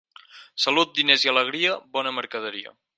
Salut, diners i alegria, bona mercaderia.